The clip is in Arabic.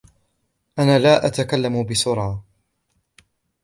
أنا لا أتكلم بسرعة.